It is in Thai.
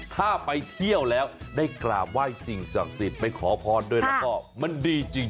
ถ้าไปเที่ยวแล้วได้กราบไหว้สิ่งศักดิ์สิทธิ์ไปขอพรด้วยแล้วก็มันดีจริง